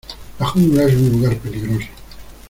La jungla es un lugar peligroso.